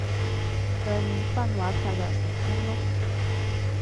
對面分化策略成功囉